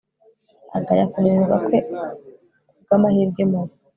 Yagaya kunanirwa kwe kubwamahirwe mabi